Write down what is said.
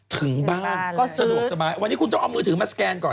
ถึงบ้านก็สะดวกสบายวันนี้คุณต้องเอามือถือมาสแกนก่อน